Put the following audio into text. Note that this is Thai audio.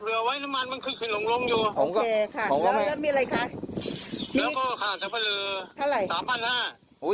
เผื่อไว้น้ำมันมันคืนหลงอยู่